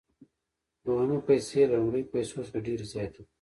دویمې پیسې له لومړیو پیسو څخه ډېرې زیاتې دي